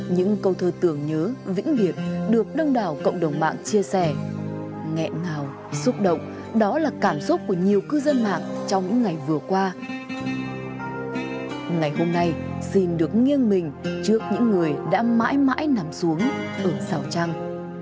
ngày hôm nay xin được nghiêng mình trước những người đã mãi mãi nằm xuống ở sảo trang